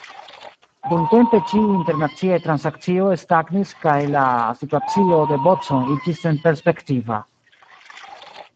Dumtempe ĉiuj internaciaj transakcioj stagnis kaj la situacio de Bodson iĝis senperspektiva.